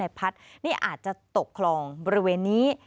พัดนี่อาจจะตกคลองบริเวณนี้